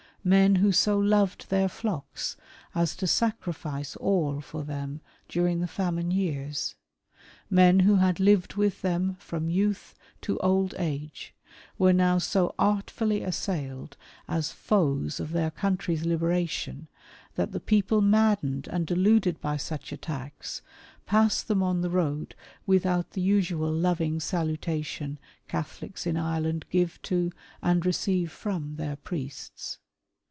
Men who so loved their flocks as to sacrifice all for them during the famine years — men who had lived with them fi om youth to old age, were now so artfully assailed as foes of their country's liberation, that the people maddened and deluded by such attacks, passed them on the road without the usual loving salutation Catholics in Ireland give to and receive from their priests.